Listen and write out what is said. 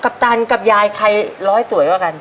ปตันกับยายใครร้อยสวยกว่ากัน